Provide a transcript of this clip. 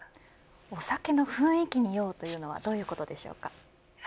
お酒の雰囲気に酔うとはどういうことでしょうか。